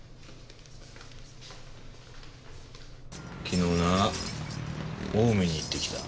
昨日な青梅に行ってきた。